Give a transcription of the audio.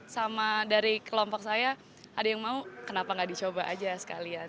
sama dari kelompok saya ada yang mau kenapa gak dicoba aja sekalian